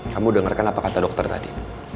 kamu dengarkan apa kata dokter tadi